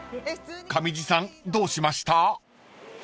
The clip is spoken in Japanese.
［上地さんどうしました？］